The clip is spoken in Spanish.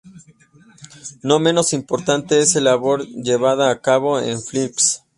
No menos importante es la labor llevada a cabo en Flickr.